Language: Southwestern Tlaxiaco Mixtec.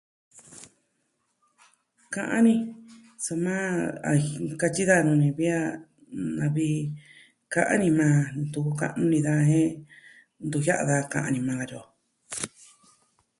Ka'an ni, soma... a, katyi daa nuu ni vi a na vi, ka'an ni maa ntu ka'nu ini daa jen ntu jiaa da ka'an ni ma katyi o.